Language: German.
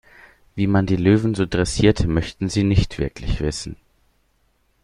Wie man die Löwen so dressiert, möchten Sie nicht wirklich wissen.